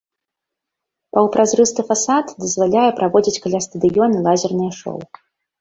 Паўпразрысты фасад дазваляе праводзіць каля стадыёна лазерныя шоу.